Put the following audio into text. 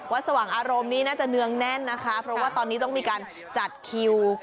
สว่างอารมณ์นี้น่าจะเนืองแน่นนะคะเพราะว่าตอนนี้ต้องมีการจัดคิว